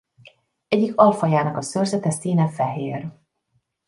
Egyik alfajának a szőrzete színe fehér.